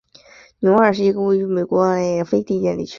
纽厄尔是一个位于美国阿拉巴马州兰道夫县的非建制地区。